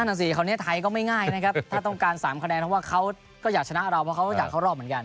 นั่นสิคราวนี้ไทยก็ไม่ง่ายนะครับถ้าต้องการ๓คะแนนเพราะว่าเขาก็อยากชนะเราเพราะเขาก็อยากเข้ารอบเหมือนกัน